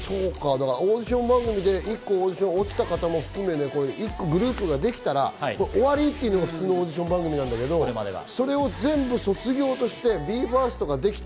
オーディション番組でオーディション落ちた方も含めグループができたら終わりというのが普通のオーディション番組だけど、それを全部卒業としてＢＥ：ＦＩＲＳＴができた。